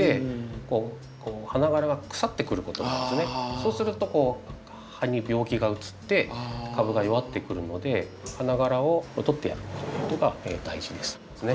そうすると葉に病気がうつって株が弱ってくるので花がらを取ってやるということが大事ですね。